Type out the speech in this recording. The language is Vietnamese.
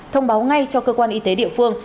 thông báo ngay cho cơ quan y tế địa phương